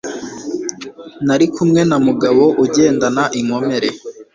Nari kumwe na Mugabo ugendana inkomere